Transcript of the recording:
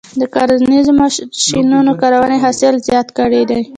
د کرنیزو ماشینونو کارونې حاصل زیات کړی دی.